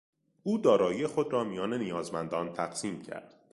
او دارایی خود را میان نیازمندان تقسیم کرد.